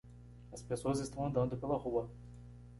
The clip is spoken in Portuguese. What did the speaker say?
as pessoas estão andando pela rua.